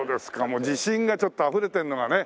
もう自信がちょっとあふれてるのがね。